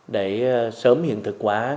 để sớm hiện thực hóa